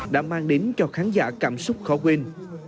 đã mang đến cho khán giả cảm xúc khó quên